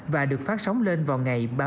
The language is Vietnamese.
và được phát sóng lên vào ngày